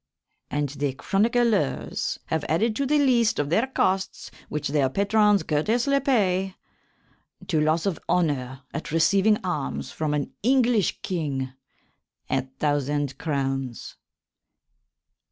And the chronyclers have added to the lyst of their costs which their patrons curtesly pay: To loss of honour at receiving alms from an Englysshe Kynge, a thousand crounes.